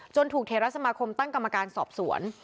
ถูกเทรสมาคมตั้งกรรมการสอบสวน